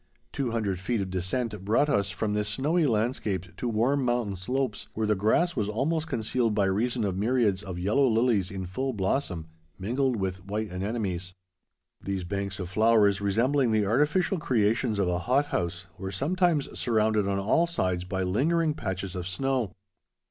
Two hundred feet of descent brought us from this snowy landscape to warm mountain slopes, where the grass was almost concealed by reason of myriads of yellow lilies in full blossom, mingled with white anemones. These banks of flowers, resembling the artificial creations of a hot house, were sometimes surrounded on all sides by lingering patches of snow.